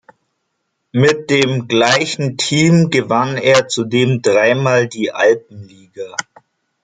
Mit dem gleichen Team gewann er zudem dreimal die Alpenliga.